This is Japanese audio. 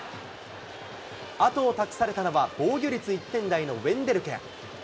あとを託されたのは、防御率１点台のウェンデルケン。